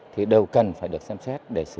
thì đâu cần phải được xem xét để xử